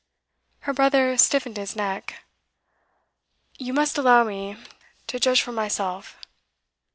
Her brother stiffened his neck. 'You must allow me to judge for myself.